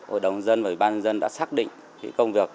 hội đồng dân và ủy ban dân đã xác định công việc